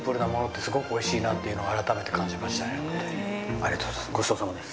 ありがとうございます。